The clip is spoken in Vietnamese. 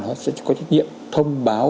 họ sẽ có trách nhiệm thông báo